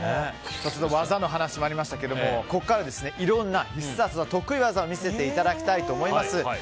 技の話もありましたけれどもここからはいろんな得意技を見せていただきたいと思います。